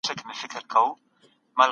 تاریخي شخصیتونه په حقیقت کې زموږ شتمني ده.